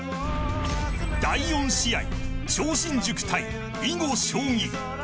第４試合、超新塾対囲碁将棋。